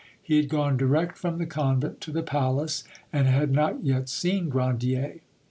He had gone direct from the convent to the palace, and had not yet seen Grandier.